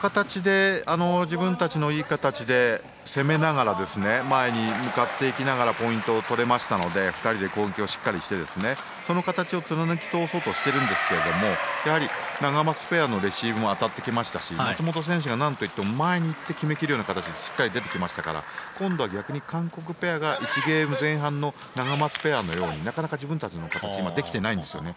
自分たちのいい形で攻めながら前に向かっていきながらポイントを取れましたので２人で攻撃をしっかりしてその形を貫き通そうとしているんですがナガマツペアのレシーブも当たってきましたし松本選手が何といっても前にいって決めきるような形がしっかり出てきましたから今度は逆に韓国ペアが１ゲーム前半のナガマツペアのようになかなか自分たちの形ができていないんですね。